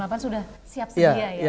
jam delapan sudah siap sedia ya pak ya